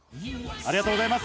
ありがとうございます。